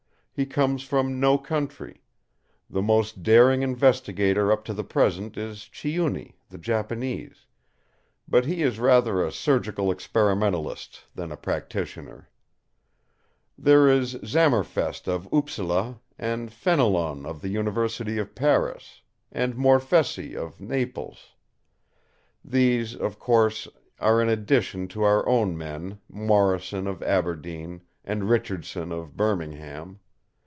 He comes from no country. The most daring investigator up to the present is Chiuni, the Japanese; but he is rather a surgical experimentalist than a practitioner. Then there is Zammerfest of Uppsala, and Fenelon of the University of Paris, and Morfessi of Naples. These, of course, are in addition to our own men, Morrison of Aberdeen and Richardson of Birmingham.